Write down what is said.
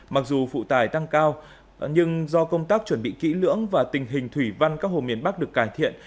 mặc dù phụ tải tăng cao nhưng do công tác chuẩn bị kỹ lưỡng và tình hình thủy văn các hồ miền bắc được cải thiện